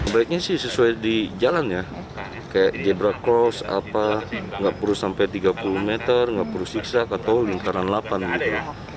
baiknya sih sesuai di jalan ya kayak zebra cross apa nggak perlu sampai tiga puluh meter nggak perlu siksa atau lingkaran delapan gitu